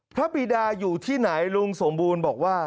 ปีดาอยู่ที่ไหนลุงสมบูรณ์บอกว่า